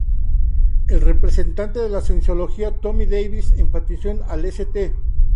El representante de la Cienciología, Tommy Davis, enfatizó al St.